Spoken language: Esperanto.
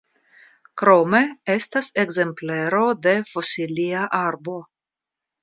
Krome estas ekzemplero de fosilia arbo.